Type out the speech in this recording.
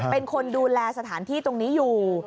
เป็นคนดูแลสถานที่ตรงนี้อยู่